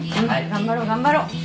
頑張ろう頑張ろう。